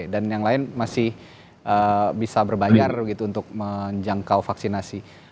dan yang lain masih bisa berbayar gitu untuk menjangkau vaksinasi